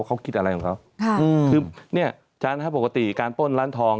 เขาคิดอะไรของเขาคือเนี่ยฉะนั้นถ้าปกติการป้นร้านทอง